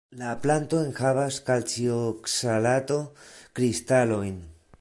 La planto enhavas kalcioksalato-kristalojn.